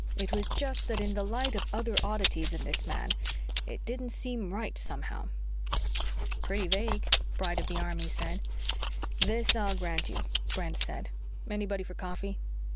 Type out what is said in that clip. It was just that in the light of other oddities in his man, it didn't seem right, somehow." "Pretty vague," Bright of the Army said. "This I'll grant you." Brent said. "Anybody for coffee?"